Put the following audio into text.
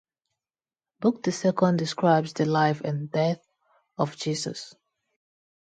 Book the Second describes the life and death of Jesus.